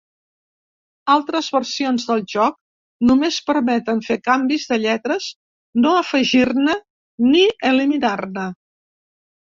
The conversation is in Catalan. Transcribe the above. Altres versions del joc només permeten fer canvis de lletres, no afegir-ne ni eliminar-ne.